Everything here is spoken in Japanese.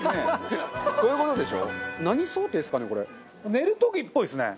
寝る時っぽいですね。